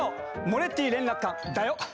モレッティ連絡官だよ。